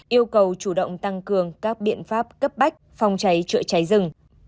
yêu cầu chủ động tăng cường các biện pháp cấp bách phòng cháy chữa cháy rừng